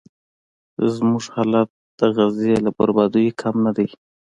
زموږ حالت د غزې له بربادیو کم نه دی.